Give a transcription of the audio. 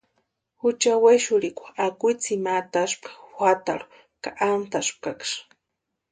Jucha wexurhikwa akwitsini ma ataspka juatarhu ka ántaspkaksï.